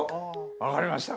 分かりました。